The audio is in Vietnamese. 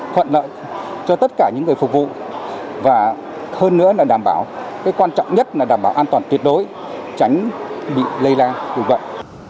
thuận lợi cho tất cả những người phục vụ và hơn nữa là đảm bảo cái quan trọng nhất là đảm bảo an toàn tuyệt đối tránh bị lây lan dịch bệnh